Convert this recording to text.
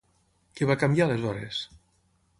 Què va canviar aleshores?